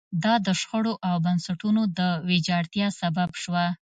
دا د شخړو او بنسټونو د ویجاړتیا سبب شوه.